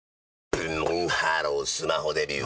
ブンブンハロースマホデビュー！